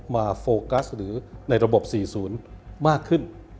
โฟกัสหรือในระบบ๔๐มากขึ้น